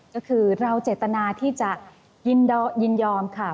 ก็คือเราเจตนาที่จะยินยอมค่ะ